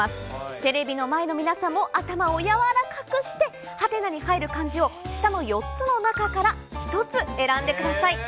テレビの前の皆さんも頭を柔らかくしてハテナに入る漢字を下の４つの中から１つ選んでください。